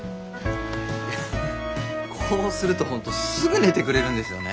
こうするとホントすぐ寝てくれるんですよね。